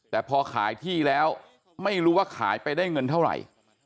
แต่พอขายที่แล้วไม่รู้ว่าขายไปได้เงินเท่าไหร่